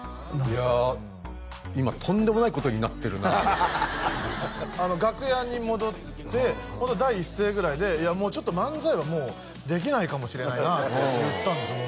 いや今とんでもないことになってるな楽屋に戻ってホント第一声ぐらいで「いやもうちょっと漫才はできないかもしれないな」って言ったんですよ